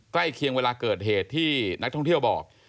ใกล้เคียงเวลาเกิดเหตุที่นักท่องเที่ยวบอก